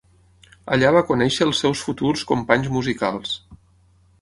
Allà va conèixer els seus futurs companys musicals.